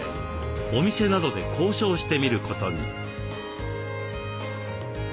お店などで交渉してみることに。